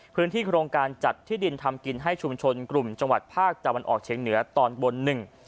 โครงการจัดที่ดินทำกินให้ชุมชนกลุ่มจังหวัดภาคตะวันออกเชียงเหนือตอนบนหนึ่ง